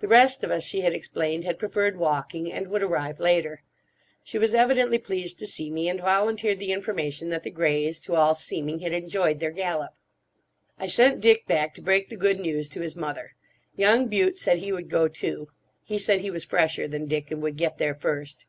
The rest of us, she had explained, had preferred walking, and would arrive later. She was evidently pleased to see me, and volunteered the information that the greys, to all seeming, had enjoyed their gallop. I sent Dick back to break the good news to his mother. Young Bute said he would go too. He said he was fresher than Dick, and would get there first.